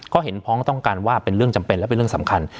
ก็เห็นพ้องต้องกันว่าเป็นเรื่องจำเป็นและเป็นเรื่องสำคัญ